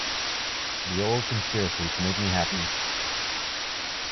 The old conspiracy to make me happy!